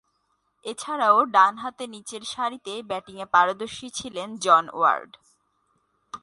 এছাড়াও, ডানহাতে নিচেরসারিতে ব্যাটিংয়ে পারদর্শী ছিলেন জন ওয়ার্ড।